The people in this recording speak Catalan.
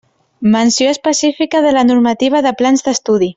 Menció específica de la normativa de plans d'estudi.